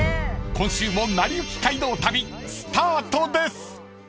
［今週も『なりゆき街道旅』スタートです］